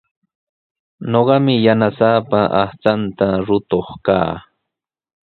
Ñuqami yanasaapa aqchanta rukuq kaa.